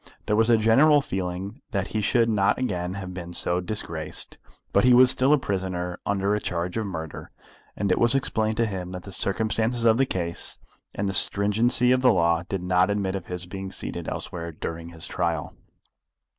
There was a general feeling that he should not again have been so disgraced; but he was still a prisoner under a charge of murder, and it was explained to him that the circumstances of the case and the stringency of the law did not admit of his being seated elsewhere during his trial.